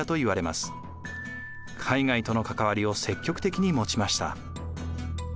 海外との関わりを積極的に持ちました。